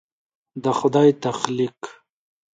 د خدای تخلیق